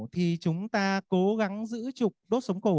thì chúng ta cố gắng giữ trục đốt súng cổ